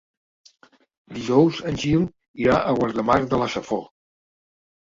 Dijous en Gil irà a Guardamar de la Safor.